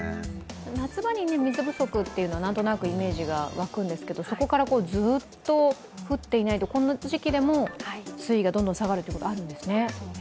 夏場に水不足というのはなんとなくイメージが湧くんですけどそこからずっと降っていないで、この時期でも水位がどんどん下がることもあるんですね。